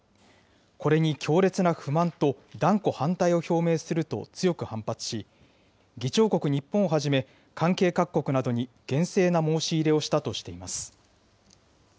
これに強烈な不満と断固反対を表明すると強く反発し、議長国、日本をはじめ、関係各国などに厳正な申し入れをしたとしています。